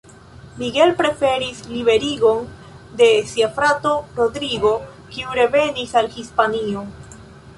Miguel preferis liberigon de sia frato Rodrigo, kiu revenis al Hispanio.